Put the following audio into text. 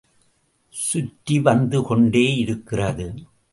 சுற்றி வந்து கொண்டே இருக்கிறது.